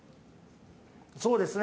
そうですね。